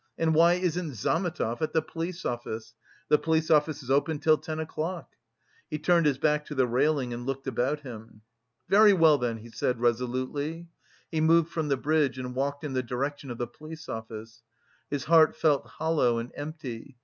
And why isn't Zametov at the police office? The police office is open till ten o'clock...." He turned his back to the railing and looked about him. "Very well then!" he said resolutely; he moved from the bridge and walked in the direction of the police office. His heart felt hollow and empty.